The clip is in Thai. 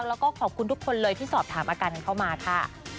แล้วก็ขอบคุณทุกคนเลยที่สอบถามอาการกันเข้ามาค่ะ